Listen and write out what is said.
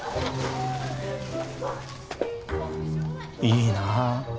いいなあ。